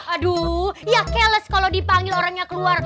aduh ya challes kalau dipanggil orangnya keluar